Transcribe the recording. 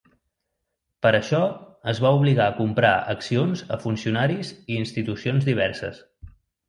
Per això, es va obligar a comprar accions a funcionaris i institucions diverses.